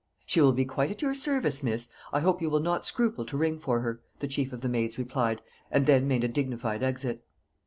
"She will be quite at your service, miss: I hope you will not scruple to ring for her," the chief of the maids replied, and then made a dignified exit.